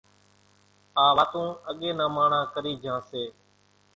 آ واتون اڳيَ نان ماڻۿان ڪرِي جھان سي۔